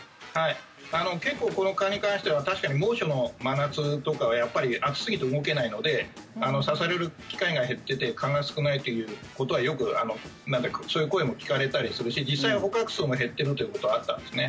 結構、この蚊に関しては確かに猛暑の真夏とかはやっぱり暑すぎて動けないので刺される機会が減ってて蚊が少ないということはよくそういう声も聞かれたりするし実際、捕獲数も減っているということはあったんですね。